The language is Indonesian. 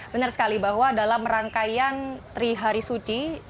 benar sekali bahwa dalam rangkaian trihari suci